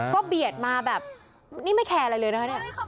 เขาเบียดมาแบบนี่ไม่แคร์อะไรเลยนะ